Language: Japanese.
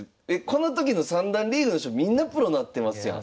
この時の三段リーグの人みんなプロなってますやん。